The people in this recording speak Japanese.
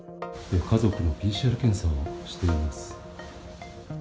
家族のＰＣＲ検査をしています。